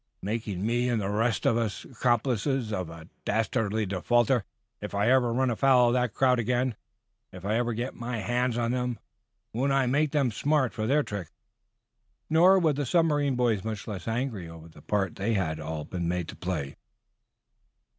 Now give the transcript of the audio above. "Making me, and the rest of us, accomplices of a dastardly defaulter. If I ever run afoul of that crowd again if I ever get my hands on them won't I make them smart for their trick!" Nor were the submarine boys much less angry over the part they had all been made to play.